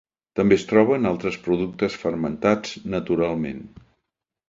També es troba en altres productes fermentats naturalment.